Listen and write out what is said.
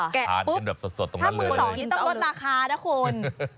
แกะปุ๊บถ้ามือสองนี่ต้องลดราคานะคน